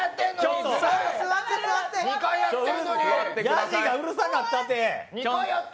やじがうるさかったって！